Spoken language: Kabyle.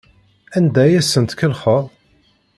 Anda ay asent-tkellxeḍ?